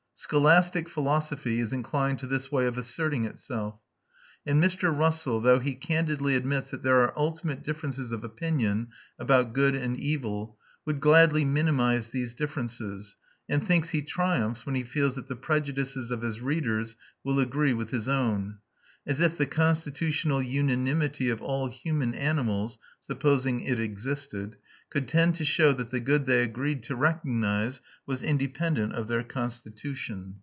Scholastic philosophy is inclined to this way of asserting itself; and Mr. Russell, though he candidly admits that there are ultimate differences of opinion about good and evil, would gladly minimise these differences, and thinks he triumphs when he feels that the prejudices of his readers will agree with his own; as if the constitutional unanimity of all human animals, supposing it existed, could tend to show that the good they agreed to recognise was independent of their constitution.